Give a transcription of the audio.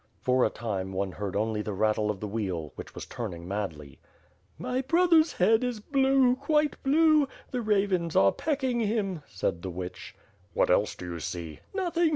For a time one heard only the rattle of the wheel, which was turning madly. "My brother's head is blue, quite blue. The ravens are pecking him," said the witch. ^^''hat else do you see?" "Nothing!